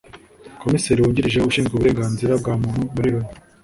Komiseri Wungirije Ushinzwe Uburengaznira bwa Muntu muri Loni